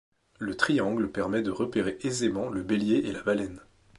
Le triangle permet de repérer aisément le Bélier et la Baleine.